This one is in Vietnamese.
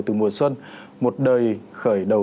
từ mùa xuân một đời khởi đầu